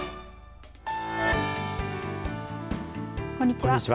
こんにちは。